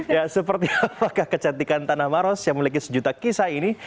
ya seperti apakah kecantikan tanah maros yang memiliki sejuta kisah ini